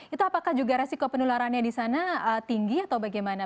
itu apakah juga resiko penularannya di sana tinggi atau bagaimana